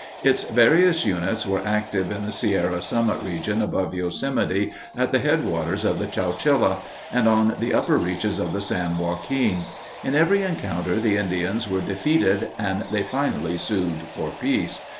Its various units were active in the Sierra Summit region above Yosemite, at the headwaters of the Chowchilla, and on the upper reaches of the San Joaquin. In every encounter the Indians were defeated and they finally sued for peace.